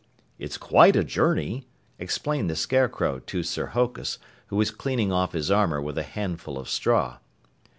"It's quite a journey," explained the Scarecrow to Sir Hokus, who was cleaning off his armor with a handful of straw.